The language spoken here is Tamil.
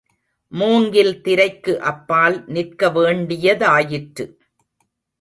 மூங்கில் திரைக்கு அப்பால் நிற்க வேண்டியதாயிற்று.